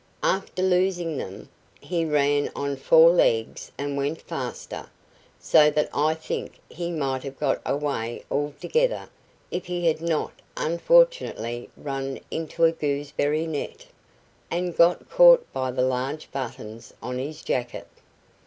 After losing them, he ran on four legs and went faster, so that I think he might have got away altogether if he had not unfortunately run into a gooseberry net, and got caught by the large buttons on his jacket.